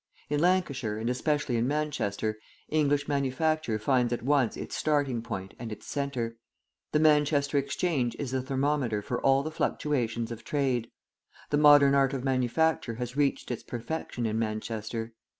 In Lancashire, and especially in Manchester, English manufacture finds at once its starting point and its centre. The Manchester Exchange is the thermometer for all the fluctuations of trade. The modern art of manufacture has reached its perfection in Manchester.